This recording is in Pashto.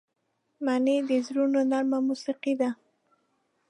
مني د زړونو نرمه موسيقي ده